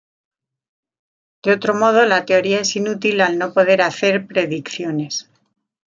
De otro modo la teoría es inútil al no poder hacer predicciones.